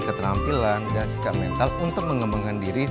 keterampilan dan sikap mental untuk mengembangkan diri